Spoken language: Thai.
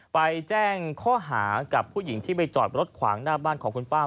ไปแจ้งข้อหากับผู้หญิงที่ไปจอดรถขวางหน้าบ้านของคุณป้า